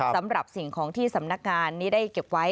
สำหรับสิ่งของที่สำนักงานนี้ได้เก็บไว้